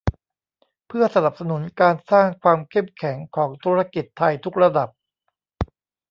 เพื่อสนับสนุนการสร้างความเข้มแข็งของธุรกิจไทยทุกระดับ